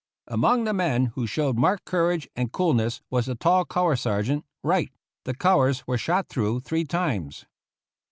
Among the men who showed marked courage and coolness was the tall color sergeant, Wright ; the colors were shot through three times.